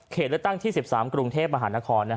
เลือกตั้งที่๑๓กรุงเทพมหานคร